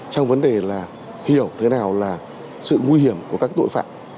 trong vấn đề là hiểu thế nào là sự nguy hiểm của các tội phạm